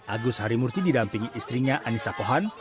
agus harimurti didampingi istrinya anissa pohan